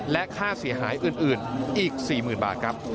และค่าเสียหายอื่นอีก๔๐๐๐บาทครับ